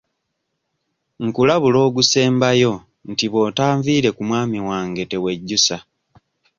Nkulabula ogusembayo nti bw'otanviire ku mwami wange tewejjusa.